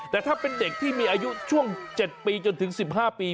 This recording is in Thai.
แต่ถ้าเป็นเด็กที่มีอายุช่วง๗ปีจนถึง๑๕ปี